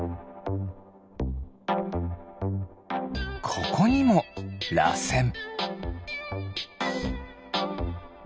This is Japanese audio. ここにもらせん。